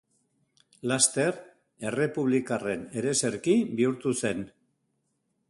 Laster errepublikarren ereserki bihurtu zen.